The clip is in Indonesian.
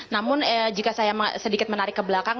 namun jika saya sedikit menarik ke belakang